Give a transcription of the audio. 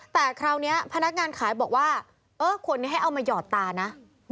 แต่คราวนี้พนักงานขายบอกว่าเออคนนี้ให้เอามาหยอดตานะ